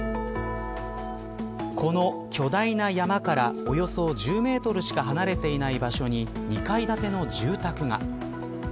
この巨大な山からおよそ１０メートルしか離れていない場所に２階建ての住宅が。